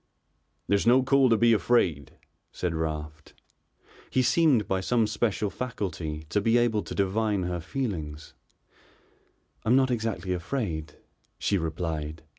"There's no call to be afraid," said Raft. He seemed, by some special faculty, to be able to divine her feelings. "I'm not exactly afraid," she replied.